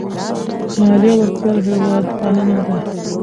مالیه ورکول هېوادپالنه ده.